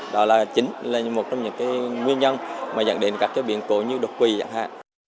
đó là chính là một trong những cái nguyên nhân mà dẫn đến các cái biện cổ như đột quỳ chẳng hạn